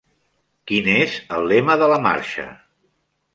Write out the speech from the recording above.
Quin és el lema de la marxa?